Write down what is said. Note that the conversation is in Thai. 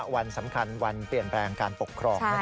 วันสำคัญวันเปลี่ยนแปลงการปกครอง